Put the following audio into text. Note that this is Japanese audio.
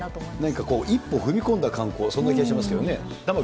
何かこう、一歩踏み込んだ観光、そんな気がしますけどね。